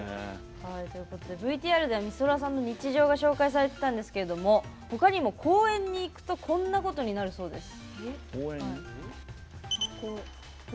ＶＴＲではみそらさんの日常が紹介されてたんですけどもほかにも公園に行くとこんなことになるそうです。